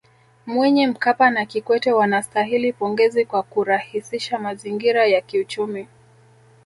Mwinyi Mkapa na Kikwete wanastahili pongezi kwa kurahisisha mazingira ya kiuchumi